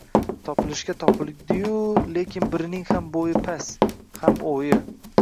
Topilishga topildi-yu, lekin birining ham bo‘yi past, ham o‘yi